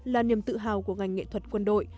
là niềm tự hào của ngành nghệ thuật quân đội